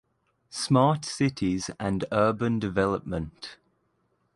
Smart Cities and Urban Development.